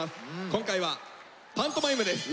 今回は「パントマイム」です。